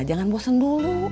jangan bosen dulu